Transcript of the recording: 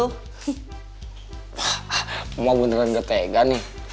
wah emang beneran gak tega nih